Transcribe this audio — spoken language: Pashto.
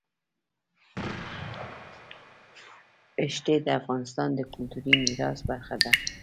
ښتې د افغانستان د کلتوري میراث برخه ده.